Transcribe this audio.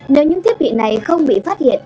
nếu những thiết bị này không bị phát hiện